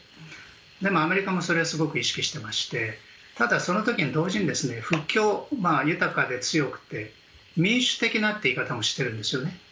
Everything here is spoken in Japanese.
でもアメリカもそれをすごく意識していましてただ、その時に同時に富強、豊かで強くて民主的なという言い方もしているんですね。